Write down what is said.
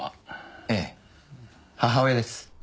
ええ母親です。